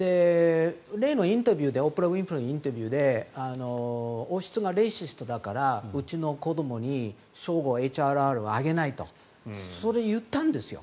例のインタビューでオプラ・ウィンフリーのインタビューで王室がレイシストだからうちの子どもに称号、ＨＲＨをあげないと言ったんですよ